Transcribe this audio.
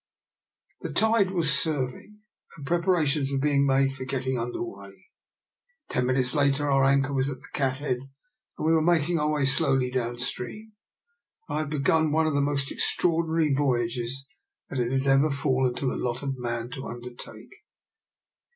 The tide was serving, and preparations were being made for getting under way. Ten minutes later our anchor was at the cathead, and we were making our way slowly down stream, and I had begun one of the most extraordinary voyages it has ever fallen to the lot of man to undertake.